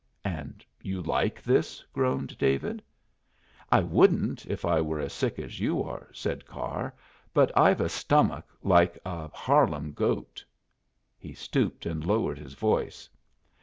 "And you like this?" groaned David. "I wouldn't, if I were as sick as you are," said Carr, "but I've a stomach like a Harlem goat." He stooped and lowered his voice.